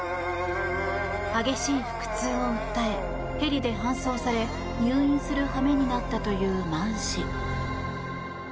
激しい腹痛を訴えヘリで搬送され入院する羽目になったというマン氏。